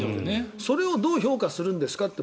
それをどう評価するのかって